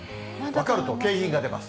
分かると景品が出ます。